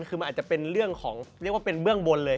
คือมันอาจจะเป็นเรื่องของเรียกว่าเป็นเบื้องบนเลย